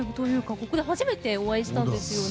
ここで初めてお会いしたんですね。